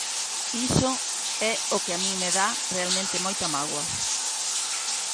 Iso é o que a min me dá realmente moita mágoa.